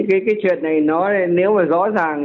cái chuyện này nếu mà rõ ràng